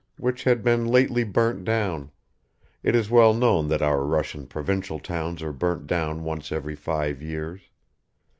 which had been lately burnt down (it is well known that our Russian provincial towns are burnt down once every five years).